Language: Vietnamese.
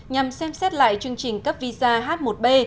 nhằm xem xét lại chương trình cấp visa h một b